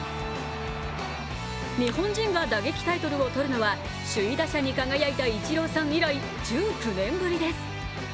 日本人が打撃タイトルを取るのは首位打者に輝いたイチローさん以来１９年ぶりです。